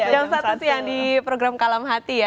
jam satu siang di program kalam hati ya